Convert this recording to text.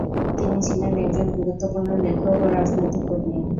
তিনি ছিলেন একজন গুরুত্বপূর্ণ লেখক ও রাজনৈতিক কর্মী।